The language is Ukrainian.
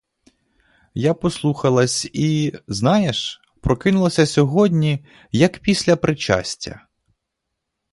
Я послухалась і, знаєш, прокинулася сьогодні, як після причастя.